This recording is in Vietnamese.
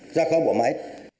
ra khóa bộ máy